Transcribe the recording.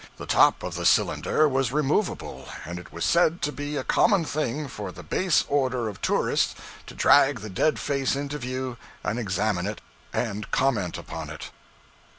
The top of the cylinder was removable; and it was said to be a common thing for the baser order of tourists to drag the dead face into view and examine it and comment upon it.